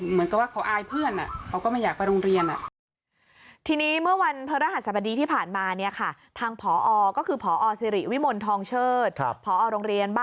เหมือนกับว่าเขาอายเพื่อนเขาก็ไม่อยากไปโรงเรียน